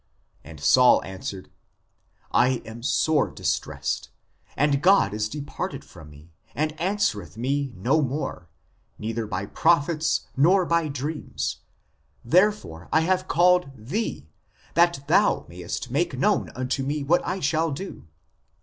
And Saul answered, I am sore distressed ... and God is departed from me, and answer eth me no more, neither by prophets, nor by dreams ; therefore I have called thee, that thou mayest make known unto me what I shall do.